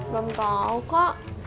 gak tau kak